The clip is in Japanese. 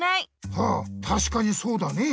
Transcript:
はあたしかにそうだね。